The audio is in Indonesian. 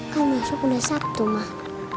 kan masuk mulai sabtu mah